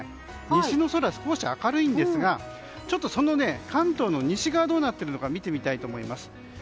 西の空、少し明るいんですがちょっと関東の西側どうなっているか見てみたいと思います。